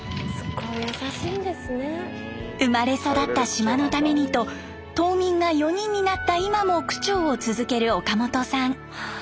生まれ育った島のためにと島民が４人になった今も区長を続ける岡本さん。